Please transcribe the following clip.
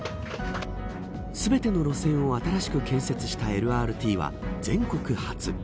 全ての路線を新しく建設したＬＲＴは全国初。